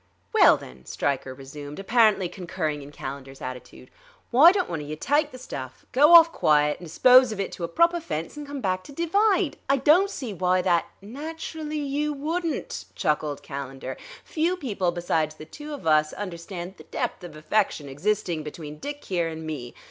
"Well, then," Stryker resumed, apparently concurring in Calendar's attitude, "w'y don't one of you tyke the stuff, go off quiet and dispose of it to a proper fence, and come back to divide. I don't see w'y that " "Naturally you wouldn't," chuckled Calendar. "Few people besides the two of us understand the depth of affection existing between Dick, here, and me.